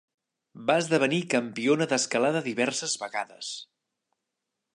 Va esdevenir campiona d'escalada diverses vegades.